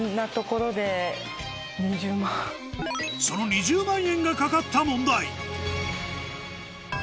その２０万円が懸かった問題